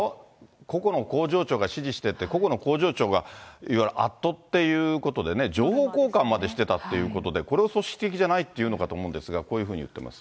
ここの工場長が指示してって、個々の工場長が、いわゆるアットっていうことでね、情報交換までしてたっていうことで、これを組織的じゃないというのかなと思うんですが、こういうふうに言っております。